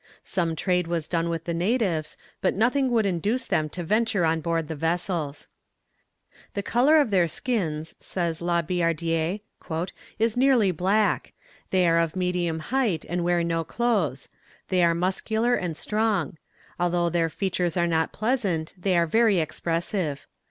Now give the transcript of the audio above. Some trade was done with the natives, but nothing would induce them to venture on board the vessels. "The colour of their skins," says La Billardière, "is nearly black. They are of medium height, and wear no clothes. They are muscular and strong. Although their features are not pleasant, they are very expressive.